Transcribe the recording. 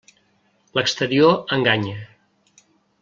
L'exterior enganya.